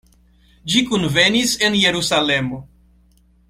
Ĝi kunvenis en Jerusalemo.